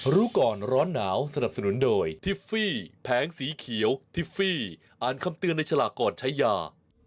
รู้ก่อนร้อนหนาวสนับสนุนโดยทิฟฟี่แผงสีเขียวทิฟฟี่อ่านคำเตือนในฉลากก่อนใช้ยา